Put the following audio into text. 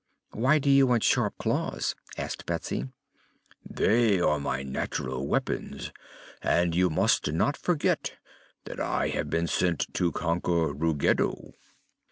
"Why do you want sharp claws?" asked Betsy. "They are my natural weapons, and you must not forget that I have been sent to conquer Ruggedo."